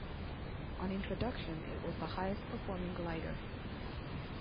On introduction it was the highest performing glider.